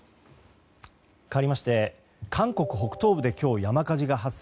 かわりまして韓国北東部で今日山火事が発生。